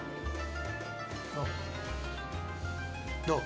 どう？